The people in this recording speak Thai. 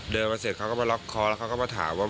เดินมาเสร็จเขาก็มาล็อกคอแล้วเขาก็มาถามว่า